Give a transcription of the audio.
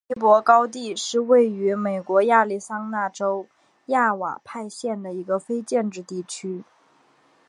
朱尼珀高地是位于美国亚利桑那州亚瓦派县的一个非建制地区。